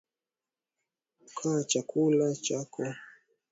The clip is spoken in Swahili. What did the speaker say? Pakuaa chakula chako baada ya dakika tano